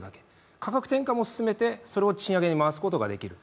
価格転嫁も進めて、それを賃上げに回すことができる。